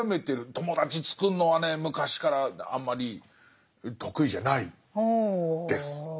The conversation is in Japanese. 友達つくるのはね昔からあんまり得意じゃないです。